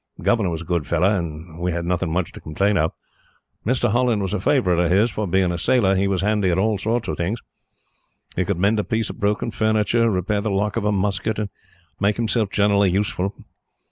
The governor was a good fellow, and we had nothing much to complain of. Mr. Holland was a favourite of his, for, being a sailor, he was handy at all sorts of things. He could mend a piece of broken furniture, repair the lock of a musket, and make himself generally useful.